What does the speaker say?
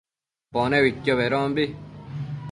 Pone uidquio bedombi